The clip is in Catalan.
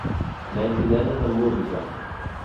Nens i nenes amb música.